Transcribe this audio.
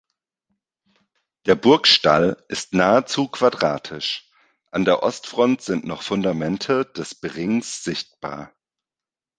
Der Burgstall ist nahezu quadratisch; an der Ostfront sind noch Fundamente des Berings sichtbar.